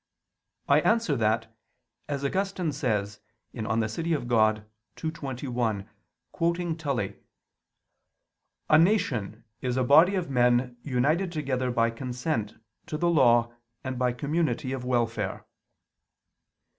I answer that, As Augustine says (De Civ. Dei ii, 21), quoting Tully, "a nation is a body of men united together by consent to the law and by community of welfare."